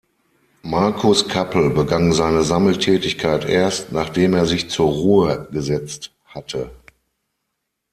Marcus Kappel begann seine Sammeltätigkeit erst, nachdem er sich zur Ruhe gesetzt hatte.